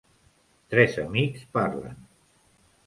Tres amics parlen